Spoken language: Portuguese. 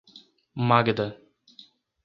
Magda